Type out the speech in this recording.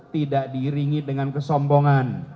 tidak diiringi dengan kesombongan